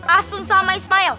asun sama ismail